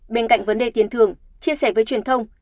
bên cạnh vấn đề tiền thường chia sẻ với truyền thông